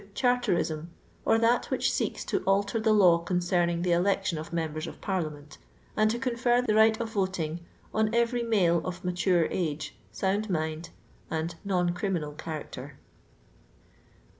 Chartism, or that which seeks to alter the law concerning the election of members of Parliament, and to confer the right of voting on cTery male of mature age, sound mind, and non criminal character.